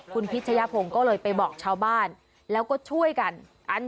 คุณพิชยพงศ์ก็เลยไปบอกชาวบ้านแล้วก็ช่วยกัน